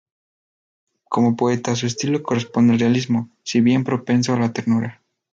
Como poeta, su estilo corresponde al realismo, si bien propenso a la ternura.